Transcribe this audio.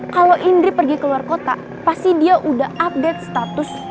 kalau indri pergi keluar kota pasti dia udah update status